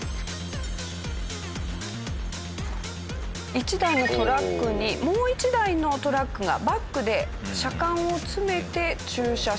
一台のトラックにもう一台のトラックがバックで車間を詰めて駐車していきます。